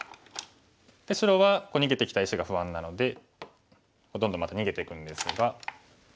で白は逃げてきた石が不安なのでどんどんまた逃げていくんですが。